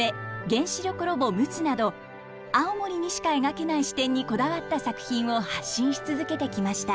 原子力ロボむつ」など青森にしか描けない視点にこだわった作品を発信し続けてきました。